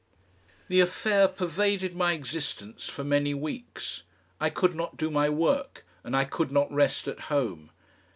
The affair pervaded my existence for many weeks. I could not do my work and I could not rest at home.